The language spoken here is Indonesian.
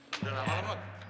udah lama lemot